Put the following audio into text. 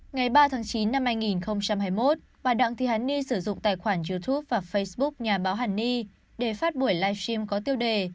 ngày ba tháng chín năm hai nghìn hai mươi một bà đặng thị hằng nhi sử dụng tài khoản youtube và facebook nhà báo hằng nhi để phát buổi live stream có tiêu đề